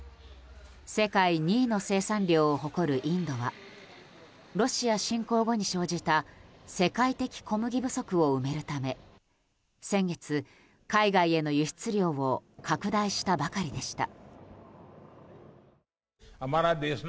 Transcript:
世界２位の生産量を誇るインドはロシア侵攻後に生じた世界的小麦不足を埋めるため先月、海外への輸出量を拡大したばかりでした。